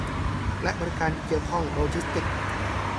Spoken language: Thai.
และบริการที่เกี่ยวข้องโลจิสติกส์